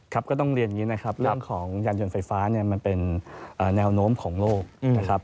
ก็ต้องเรียนอย่างนี้นะครับเรื่องของยานยนต์ไฟฟ้าเนี่ยมันเป็นแนวโน้มของโลกนะครับ